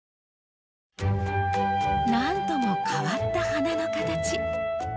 なんとも変わった花の形。